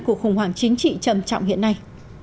cuộc khủng hoảng chính trị trầm trọng hiện nay